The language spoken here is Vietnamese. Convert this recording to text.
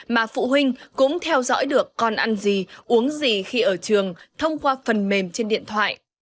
mà phụ huynh cũng theo dõi được con ăn gì uống gì khi ở trường thông qua phần mềm trên điện thoại